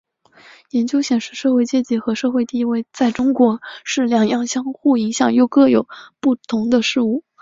研究显示社会阶级和社会地位在英国是两样相互影响又各有不同的事物。